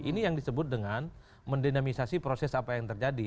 ini yang disebut dengan mendinamisasi proses apa yang terjadi